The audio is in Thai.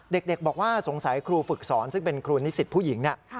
เด็กบอกว่าสงสัยครูฝึกสอนซึ่งเป็นครูนิสิตผู้หญิงเนี่ย